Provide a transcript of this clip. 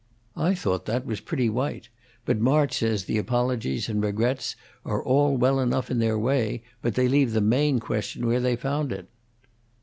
I thought that was pretty white, but March says the apologies and regrets are all well enough in their way, but they leave the main question where they found it."